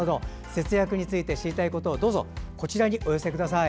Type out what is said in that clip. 節約について知りたいことをこちらにお寄せください。